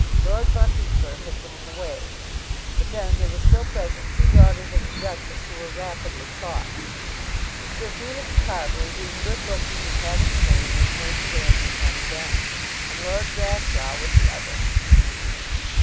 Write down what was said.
Lord Buntingford had gone away; but then there were still present two daughters of the Duchess who were rapidly caught. Sir Felix Carbury, being good looking and having a name, was made to dance with one of them, and Lord Grasslough with the other.